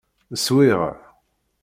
Swiɣ.